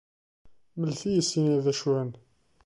Mlet-iyi sin-a d acuten!